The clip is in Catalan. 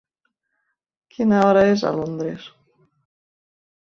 Quina hora és a Londres?